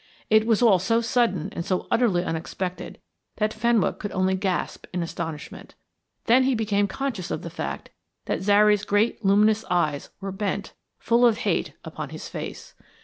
It was all so sudden and so utterly unexpected that Fenwick could only gasp in astonishment. Then he became conscious of the fact that Zary's great luminous eyes were bent, full of hate, upon his face.